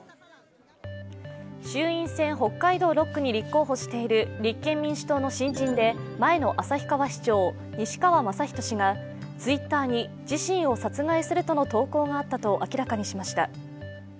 衆院選北海道６区に立候補している立憲民主党の新人で、前の旭川市長、西川将人氏が、Ｔｗｉｔｔｅｒに自身を殺害するとの投稿があったと明らかにしました。